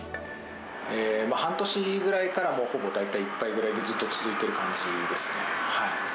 半年ぐらいから、ほぼ大体、いっぱいがずっと続いてる感じですね。